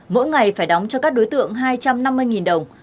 mỗi ngày phải đóng cho các đối tượng hai trăm năm mươi đồng